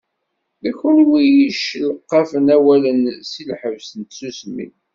D kunwi i d-yeccelqafen awalen seg lḥebs n tsusmi.